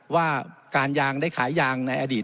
ว่าการยางได้ขายยางในอดีต